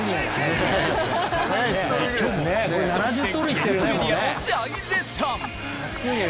現地メディアも大絶賛。